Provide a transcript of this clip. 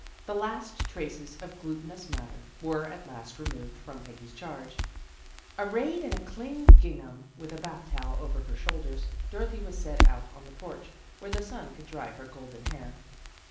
The last traces of glutinous matter were at last removed from Peggy's charge. Arrayed in a clean gingham, with a bath towel over her shoulders, Dorothy was set out on the porch, where the sun could dry her golden hair.